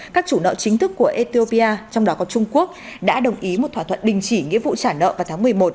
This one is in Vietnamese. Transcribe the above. các chủ nợ chính thức của ethiopia trong đó có trung quốc đã đồng ý một thỏa thuận đình chỉ nghĩa vụ trả nợ vào tháng một mươi một